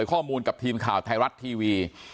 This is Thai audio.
ข้อมูลกับทีมข่าวไทยรัฐทีวี